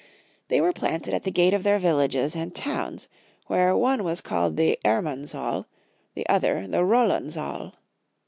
They were planted at the gate of their villages and towns, where one was called the Erraansaul, the othet the Rolandsaul.